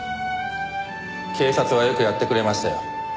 警察はよくやってくれましたよ。